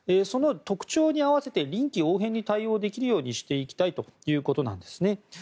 その特徴に合わせて臨機応援に対応できるようにしていきたいということです。